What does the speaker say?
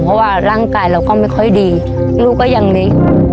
เพราะว่าร่างกายเราก็ไม่ค่อยดีลูกก็ยังเล็ก